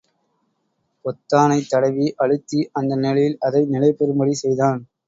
பொத்தானைத் தடவி, அழுத்தி அந்த நிலையில் அதை நிலைபெறும்படி செய்தான்.